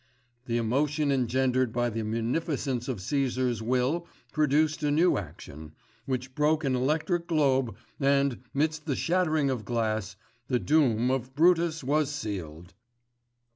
The emotion engendered by the munificence of Cæsar's will produced a new action, which broke an electric globe and, midst the shattering of glass, the doom of Brutus was sealed.